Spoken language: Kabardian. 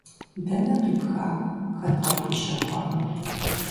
Дэнэ къипха, хэт къыпхуищэхуа?!